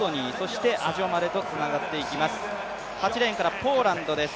８レーンからポーランドです。